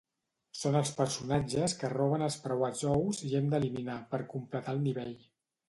Són els personatges que roben els preuats ous i hem d'eliminar per completar el nivell.